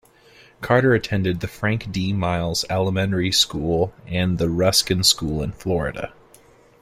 Carter attended the Frank D. Miles Elementary School and the Ruskin School in Florida.